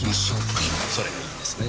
それがいいですね。